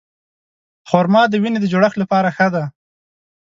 خرما د وینې د جوړښت لپاره ښه ده.